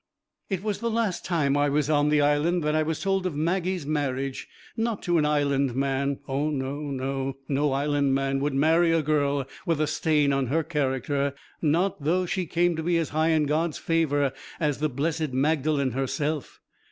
It was the last time I was on the Island that I was told of Maggie's marriage. Not to an Island man: oh no, no Island man would marry a girl with a stain on her character, not though she came to be as high in God's favour as the blessed Magdalen herself.